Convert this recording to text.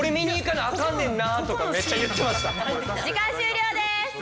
時間終了です。